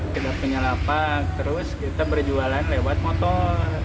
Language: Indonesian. kita punya lapak terus kita berjualan lewat motor